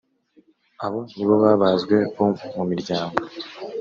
abo ni bo babazwe bo mu miryango